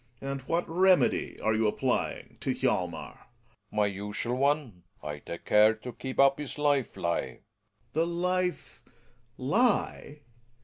And what remedy are you applying to Hjalmar ? Relli ng. My usual one. I take care to keep up his life lie. / Gregers. The life — lie